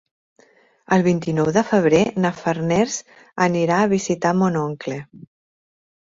El vint-i-nou de febrer na Farners anirà a visitar mon oncle.